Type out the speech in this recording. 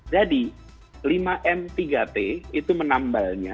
jadi lima m tiga t itu menambalnya